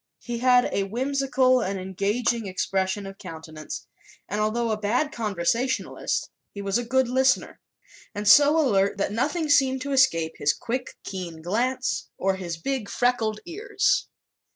He had a whimsical but engaging expression of countenance, and although a bad conversationalist he was a good listener and so alert that nothing seemed to escape his quick, keen glance or his big freckled ears.